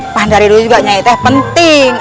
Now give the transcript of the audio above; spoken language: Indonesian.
pandari dulu juga nyai teh penting